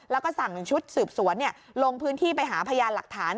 แล้วก็สั่งชุดสืบสวนลงพื้นที่ไปหาพยานหลักฐาน